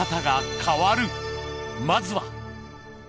［まずは］